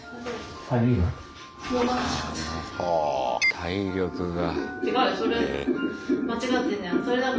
体力が。